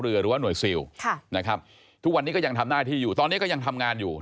เชื่อว่าเขาจะต้องมีการอัพเดทความขึ้นไว้แน่นอน